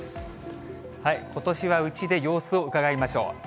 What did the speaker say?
ことしはうちで様子をうかがいましょう。